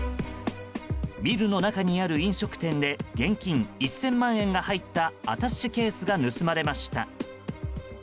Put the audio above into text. ビルの中にある飲食店で現金１０００万円が入ったアタッシェケースが盗まれました。